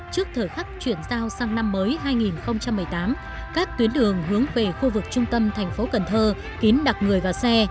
trước thời khắc chuyển giao sang năm mới hai nghìn một mươi tám các tuyến đường hướng về khu vực trung tâm thành phố cần thơ kín đặc người và xe